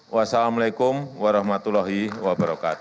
wassalamu'alaikum warahmatullahi wabarakatuh